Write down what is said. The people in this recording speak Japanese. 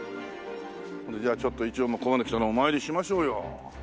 じゃあちょっと一応ここまで来たらお参りしましょうよ。